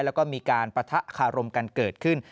แล้วก็มีการปะทะคารมกันเกิดขึ้น